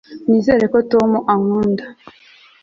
nizera ko tom ankunda